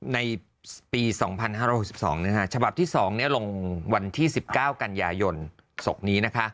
ในปี๒๕๖๒ฉบับที่๒ลงวันที่๑๙กันยายนศพนี้